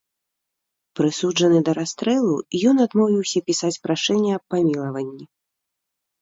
Прысуджаны да расстрэлу, ён адмовіўся пісаць прашэнне аб памілаванні.